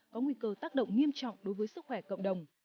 có nguy cơ tác động nghiêm trọng đối với sức khỏe cộng đồng